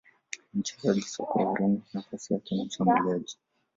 ni mchezaji soka wa Ureno nafasi yake ni Mshambuliaji